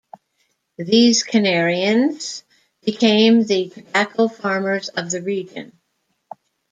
These Canarians became the tobacco farmers of the region.